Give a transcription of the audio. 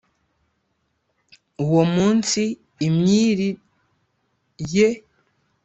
Uwo munsi imyiri* ye,